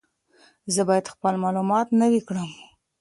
زه باید خپل معلومات نوي کړم.